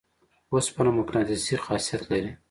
اوسپنه مقناطیسي خاصیت لري.